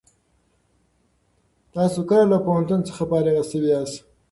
تاسو کله له پوهنتون څخه فارغ شوي یاست؟